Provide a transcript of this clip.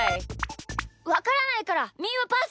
わからないからみーはパス！